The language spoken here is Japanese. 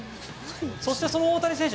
そしてその大谷選手